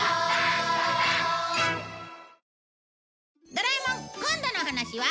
『ドラえもん』今度のお話は？